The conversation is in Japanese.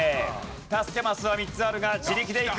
助けマスは３つあるが自力でいく！